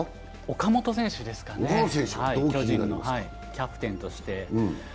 岡本選手ですかね、巨人のキャプテンとして。